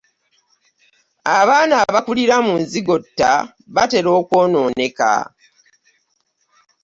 Abaana abakulira mu nzigotta batera okwonooneka.